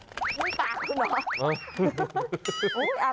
นี่ปากคุณเหรอ